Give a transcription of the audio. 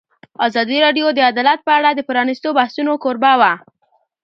ازادي راډیو د عدالت په اړه د پرانیستو بحثونو کوربه وه.